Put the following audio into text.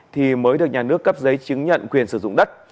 thì mới được nhà nước cấp giấy chứng nhận quyền sử dụng đất